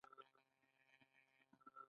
بدلون د سهار په اته بجو پیل کېږي.